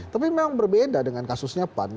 tapi memang berbeda dengan kasusnya pan